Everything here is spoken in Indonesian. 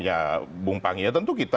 ya bung panggil tentu kita